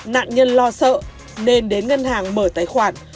nạn nhân lo sợ nên đến ngân hàng mở tài khoản